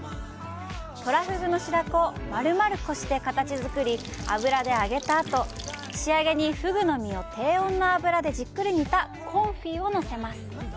トラフグの白子を丸々こして形作り油で揚げたあと仕上げにフグの身を低温の油でじっくり煮たコンフィをのせます。